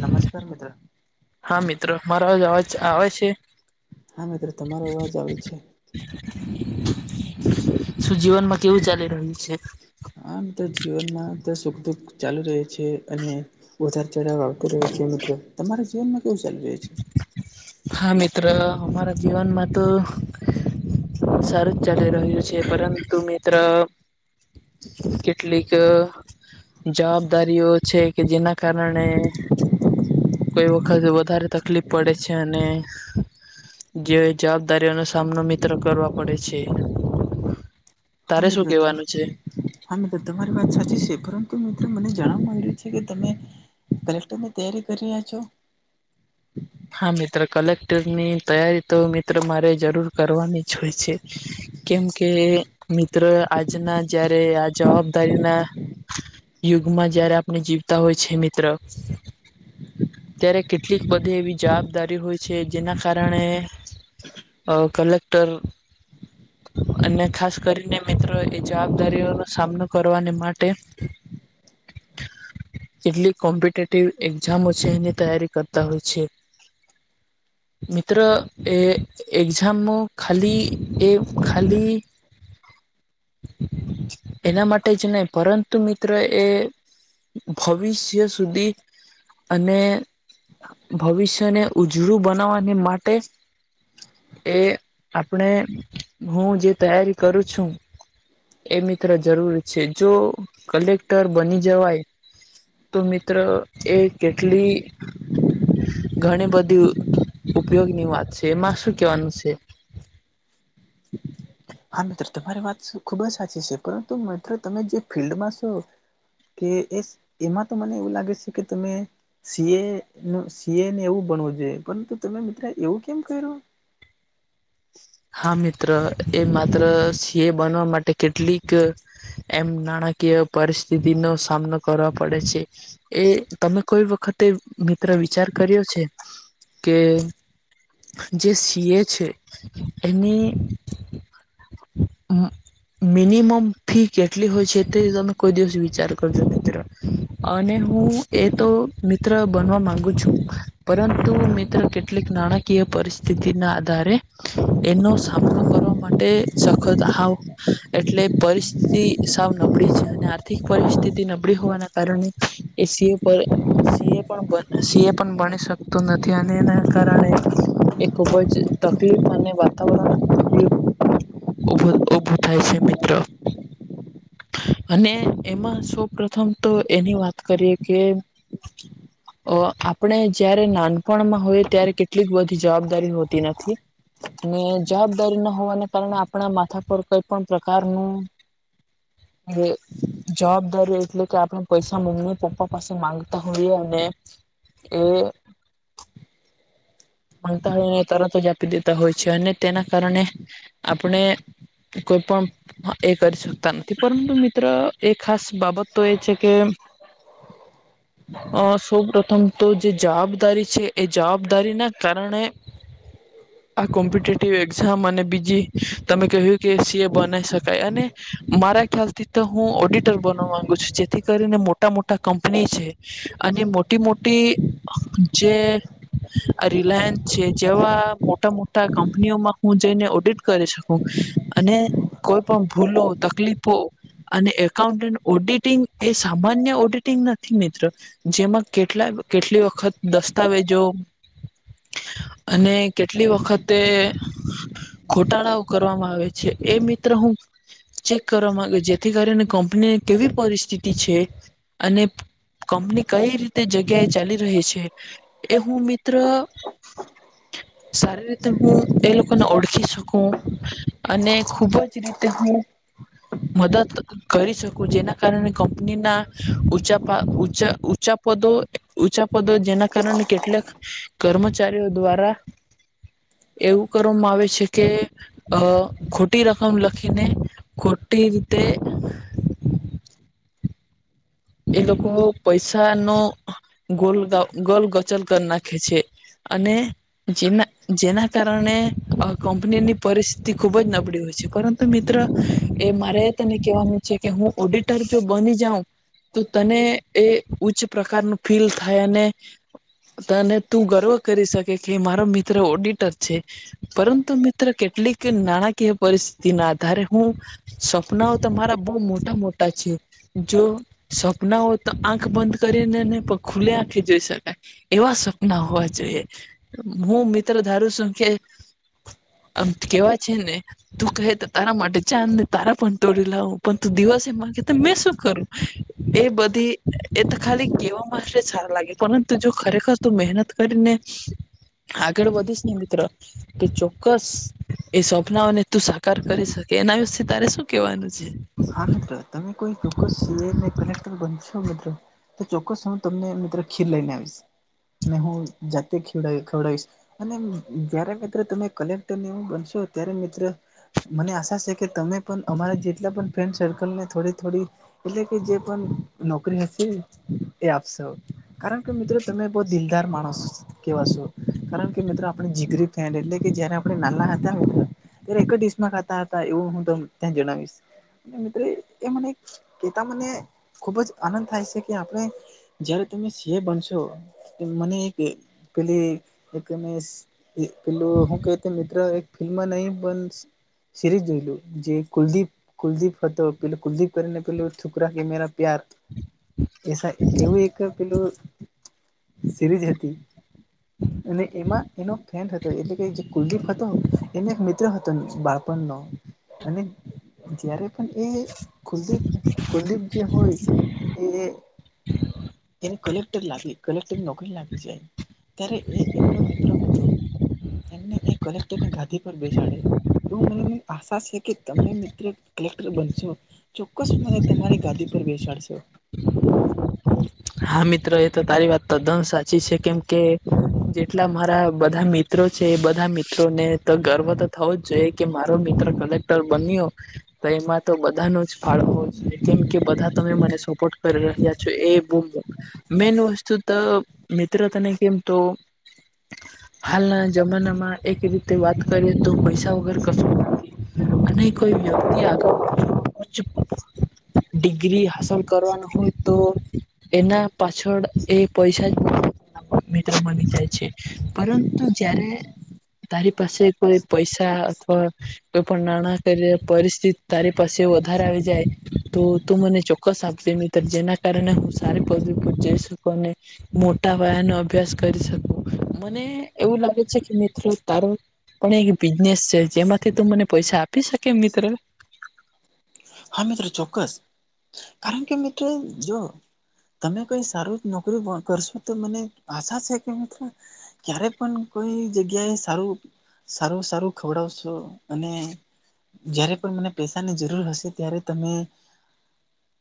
નમસ્કાર મિત્ર હા મિત્ર મારો અવાજ આવે છે. હા મિત્રો તમારો અવાજ આવે છે. શું જીવનમાં કેવું ચાલી રહ્યું છે. આમ તો જીવનમાં તો સુખ દુઃખ ચાલુ રહે છે અને ઉતાર ચઢાવ આવતો રહેયો છે મિત્ર તમારા જીવનમાં કેવું ચાલુ રયુ છે. હા મિત્ર અમારા જીવનમાં તો સરસ ચાલી રહ્યું છે પરંતુ મિત્ર. કિટલી ક. જવાબદારીઓ છે કે જેના કારણે કોઈ વખતે વધારે તકલીફ પડે છે અને જે જવાબદારીઓનો સામનો મિત્ર કરવા પડે છે. હા તારે શું મિત્ર તમે. કેવાનું છે હા મિત્ર તમારી વાત સાચી છે પરંતુ મિત્રો મને જાણવાવામાં આવીયું છે કે તમે કલેક્ટર ની તૈયારી કરી રહ્યા છો. હા મિત્ર કલેક્ટરની તૈયારી તો મિત્ર મારે જરૂર કરવાની જ હોય છે. કેમ કે મિત્ર આજના જયારે આ જવાબદારીના યુગમાં જયારે આપણે જીવતા હોય છે મિત્ર. ત્યારે કેટલીક બધી એવી જવાબદારી હોય છે જેના કારણે અ કલેક્ટર અને ખાસ કરીને મિત્રો એ જવાબદારીઓનો સામનો કરવાને માટે કેટલી કોમ્પિટેટિવ એક્ઝામ જેનની તૈયારી કરતા હોય છે. મિત્ર એ એક્ઝામો ખાલી એ ખાલી એના માટે જ ને પરંતુ મિત્રો એ ભવિષ્ય સુધી. અને ભવિષ્યને ઉજળું બનાવવાની માટે એ આપણે હું જે તૈયારી કરું છું. એ મિત્ર જરૂરી છે જો કલેક્ટર બની જવાય તો મિત્ર એ કેટલી ઘણી બધી ઉપયોગની વાત છે એમાં શું કેવાનું છે. હા તો તમારી વાત ખુબ જ સાચી છે પરંતુ મિત્ર તમે જે ફિલ્ડમાં છો. કે એઈસ એમાં તો મને એવું લાગે છે કે તમે સીએ સી એને એવું બનવું જોઈએ પરંતુ તમે મિત્ર એવું કેમ કર્યું. હા મિત્ર એ માત્ર સી એ બનવા માટે કેટલીક એમ નાણાકીય પરિસ્થિતિ નો સામનો કરવા પડે છે. એ તમે કોઈ વખતે મિત્ર વિચાર કર્યો છે કે જે સીએ છે એની હા. મિનિમમ ફી કેટલી હોય છે તે તમે કોઈ દિવસ વિચાર કરજો મિત્ર અને હું એ તો મિત્ર બનવા માંગુ છું. પરંતુ મિત્રો કેટલીક નાણાકીય પરિસ્થિતિ ના આધારે એનો સામનો કરવા માટે સખત આવ એટલે પરિસ્થિતિ સાવ નબળી છે અને આર્થિક પરિસ્થિતિ નબળી હોવાના કારણે એ સી ઉપર સી એ પણ સી એ પણ ભણી શકતું નથી અને એના કારણે એ ખૂબ જ તકલીફ અને વાતાવરણ ભ ઉભ ઉભૂ થાય છે મિત્ર. અને એમાં સૌ પ્રથમ તો એની વાત કરીએ કે [inaudible] અ આપણે જયારે નાનપણમાં હોય ત્યારે કેટલીક બધી જવાબદારી હોતી નથી. આને જવાબદારી ના હોવાને કારણે આપણા માથા પર કઈ પણ પ્રકારનું હું જવાબદારી એટલે કે આપણે પૈસા મમ્મી પપ્પા પાસે માંગતા હોઈએ અને એ... મતા નીએ તરંત જ આપી દેતા હોય છે અને તેના કારણે આપણે કોઈ પણંપ હા એ કરી શકતા નથી પરંતુ મિત્રો એ ખાસ બાબત તો એ છે કે અ સૌ પ્ર્રથમ તો જે જબદારી છે એ જપદારી ના તરુણે. આ કોમ્પિટેટિવ એક્ઝામ અને બીજી તમે કહ્યું કે સી એ બનાવી શકાય અને મારા ખ્યાલથી તો હું ઓડિટર બનવા માંગુ છું જેથી કરીને મોટા મોટા કંપની છે. અને મોટી મોટી જે આ રિલાયન્સ છે જેવા મોટા મોટા કંપનીઓમાં હું જઈને ઓડિટ કરી શકું. અને કોઈ પણ ભૂલો તકલીફો અને એકાઉન્ટન્ટ ઓડિટિંગ એ સામાન્ય ઓડિટિંગ નથી મિત્ર. જેમાં કેટલા કેટલી વખત દસ્તાવેજો અને કેટલી વખતે ઘોટાળાઓ કરવામાં આવે છે એ મિત્ર હું. ચેક કરવા માંગ્યો જેથી કરીને કંપનીની કેવી પરિસ્થિતિ છે અને કંપની કઈ રીતે જગ્યાએ ચાલી રહી છે એ હું મિત્ર. [inaudible] સારી રીતે હું એ લોકોને ઓળખી શકું અને ખુબ જ રીતે હું મદદ કરી શકું જેના કારણે કંપની ના ઉંચા ભાગ ઉંચા ઉંચા પદો ઉંચા પદો જેના કારણે કેટલાક કર્મચારીઓ દ્વારા એવું કરવામાં આવે છે કે અ ખોટી રકમ લખીને ખોટી રીતે એ લોકો પૈસા નો ગોલ ગોલ ગચલ કરી નાખે છે. અને જેના જેના કારણે કંપનીની પરિસ્થિતિ ખુબ જ નબળી હોય છે પરંતુ તો મિત્ર એ મારે તને કેવાનું છે કે હું ઓડિટર જો બની જાઉં તો તને એ ઉચ્ચ પ્રકારનું ફીલ થાય અને તને તું ગર્વ કરી શકે કે મારો મિત્ર ઓડિટર છે. પરંતુ મિત્ર કેટલીક નાણાકીય પરિસ્થિતિ ના આધારે હું સપનાઓ તો મારા બહ મોટા મોટા છે જો સપના હોય તો આંખ બંધ કરી ને નહી પણ ખુલ્લે આંખે જોઈ શકાય. એવા સપના હોવા જોઈએ, હું મિત્ર ધારું છું કે આમ કેવા છે ને તું કહે તો તારા માટે ચાંદ ને તારા પણ તોડી લાવું પણ તું દિવસે માંગે તો મેં શું કરું. એ બધી એ તો ખાલી કહેવા માટે સારા લાગે પરંતુ જો ખરેખર ત મહેનત કરીને આગળ વધીશ ને મિત્ર કે ચોક્કસ એ સવપ્નાઓને તું સાકાર કરી શકે એના વિશે તારે શું કેવાનું છે. હા મિત્રો તમે કોઈ ચોક્કસ સી કલેક્ટર બનશો મિત્રો તો ચોક્કસ હું તમને મિત્રો ખીર લઈને આવીશ અને હું જાતે ખવડ ખવડાવીશ અને જયારે મિત્ર તમે કલેક્ટર ને એવું બનશો ત્યારે મિત્ર મને આશા છે કે તમે પણ અમારા જેટલા પણ ફ્રેન્ડ સર્કલને થોડી- થોડી એટલે કે જે પણ નોકરી હશે એ આપશો કારણ કે મિત્રો તમે બહુ દિલદાર માણસ કેવા શું કારણ કે મિત્રો આપણે જીગરી ફેન એટલે કે જયારે આપણે નાના હતા મિત્ર ત્યારે એક જ ડીશ માં ખાતા હતા એવું હું તમ ત્યાં જણાવીશ. [unintelligible] એ મને કે ત મને ખૂબ જ આનંદ થાય છે કે આપણે જય્યારે તમે સી. એ બનશો મને પેલી એકમ પેલું હું કઈ તે મિત્ર એક ફિલ્મમાં નહી પણ શિરીજ જોઈલું જે કુલદીપ કુલદીપ હતો પેલું કુલદીપ કરીને પેું છોકરા કે મેરા પ્યાર એ એવું એક પેલું સિરીઝ હતી અને એમાં એનો ફ્રેન્ડ એટલે કે જે કુલદીપ હતો એને એક મિત્ર હતો બાળપણનો અને જય્યારે પણ એ કુલદીપ કુલદીપ જે હોય એ એને કલેક્ટર લાગી કલેક્ટર નોકરી લાગી જાય. ત્યારે એ એમનો મિત્રો હતો એમને એ કલેક્ટરની ગાદી પર બેસાડે એવું મને મને આશા છે કે તમે મિત્ર કલેક્ટર બનશો ચોક્કસ મને તમારી ગાદી પર બેસાડશો હા મિત્ર એ તો તારી વાત તોદમ સાચી છે કેમ કે એટલા મારા બધા મિત્રો છે એ બધા મિત્રો ને તો ગર્વ તો થવો જ જોઈએ કે મારો મિત્ર કલેક્ટર બન્યો તો એમાં તો બધા ન જ ફાયદો છે કેમ કે બધા તમે મને સપોર્ટ કરી રહ્યા છો એ બ મેન વસ્તુ તો મિત્ર તને કેમ તો હાલના જમાનામાં એક રીતે વાત કરીએ તો પૈસા વગર કશું અને કોઈ વ્યક્તિ આગળ ઉચ ડિગ્રી હંસલ કરવાનું હોય તો એના પાછળ એ પૈસા મિત્ર બની જાય છે પરંતુ જ્યારે તારી પાસે કોઈ પૈસા અથવા કોઈ પણ નાણાકીય પરિસ્થિતિ તારી પાસે વધારે આવી જાય તો તું મને ચોક્કસ આપજ મિત્ર જેના કારણે હું સારી પવી પઈશ મોટા ભયા ન અભ્યાસ કરી શકો મને એવું લાગે છે કેનેત્વ તારો પણ એક બિઝનેસ છે જેમાંથી તું મને પૈસા આપી શકે એ મિત્રો હા મિત્રો ચોક્કસ કારણ કે મિત્રો જો તમે કઈ સારું નોકરી કરશો તો મને આશા છે કે મિત્ર ક્યારે પણ કોઈ જગ્યા એ સારું સારું સારું ખવડાવશો અને જયારે પણ મને પૈસાની જરૂર હશે. ત્યારે તમે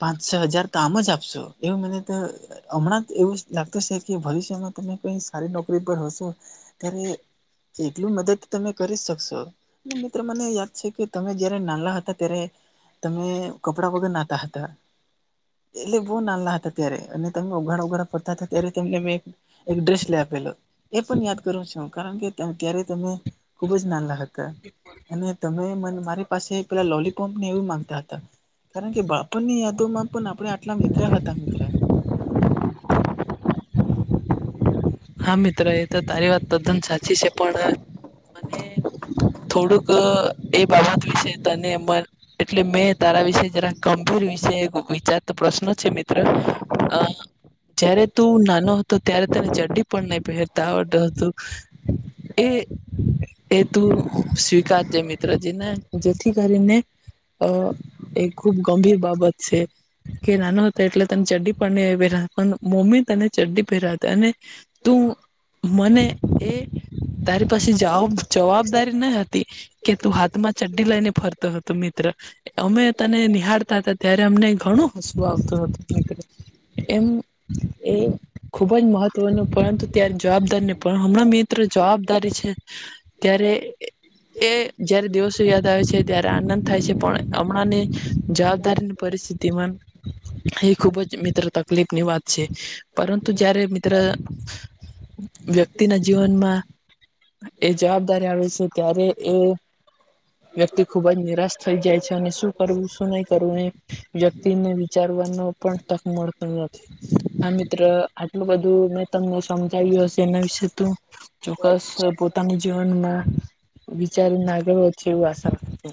પાંચ છ હજાર કામ જ આપશો એવું મને તો હમણાં એવું લાગતું છે કે ભવિષ્યમાં તમે કઈ સારી નોકરી પર હશો ત્યારે કેટલું મદદ તમે કરી શકશો મિત્રો મને યાદ છે કે તમે જય્યારે નાના હતા ત્યારે તમે કપડા વગર નાહતા હતા. એટલે બહુ નાલા હતા ત્યારે અને તમે ઉઘાડા ઉઘાડા પડતા હતા ત્યારે તને મે એક ડ્રેસ લઈ આપેલો એ પણ યાદ કરું છું હું કારણ કે ક્યારે તમે ખુબ જ નાલા હતા અને તમે મ મારી પાસે પેલા લોલીપોપ ને એવું માંગ કારણ કે બાપણની યાદોમાં પણ આપણે આટલા મિત્ર હતા મિત્ર હા મિત્ર એ તો તારી વાત તદ્દન સાચી છે પણ મને થોડુંક એ બાબત વિશે તને એટલે મેં તારા વિશે જરા ગંભીર વિશે વિચારતો પ્રશ્ન છે મિત્ર જયારે તું નાનો હતો ત્યારે તમે જડી પણ નહી પહેરતા આવડત હતું એ એ તું સ્વીકારજે મિત્રજી ને જેથી કરીને અ એ ખુબ ગંભીર બાબત છે. કે નાનો હતો એટલે તને ચડ્ડી પણ પહેરાતા પણ મમ્મી તને ચડડી પહેરાવતા અને તું મને એ તારી પાસેી જ જવાબદારી ન હતી કે તું હાથમાં ચડડી લઈને ફરતો હતો મિત્ર અમે તને નિહાળતા હતા ત્યારે અમને ઘણું હસવું આવતું હતું. એમ એ ખૂબ જ મહત્ત્વનું પરંતુ ત્યારે જવાબદારી નહી પણ હમણાં મિત્ર જવાબદારી છે ત્યારે એ જયારે દિવસો યાદ આવે છે ત્યારે આનંદ થાય છે પણ હમણાંની જવાબદારી પિસ્થિતિમાં એ ખૂબ જ મિત્ર તકલીફ ની વાત છે પરંતુ જયારે મિત્ર વ્યક્તિ ના જીવનમાં એ જવાબદારી આવે છે ત્યારે એ વ્યક્તિ ખુબ જ નિરાશ થઈ જાય છે અને શું કરવું શું નહી કરવું એ વ્યક્તિને વિચારવાનો પણ તક મળતી નથી હા મિત્ર આટલું બધું મે તમને સમજાવ્યું હશે એના વિશે ત ચોક્કસ પોતાના જીવનમાં વિચાર નાગળ છે એવું આશા છું.